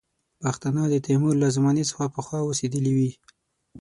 پښتانه د تیمور له زمانې څخه پخوا اوسېدلي وي.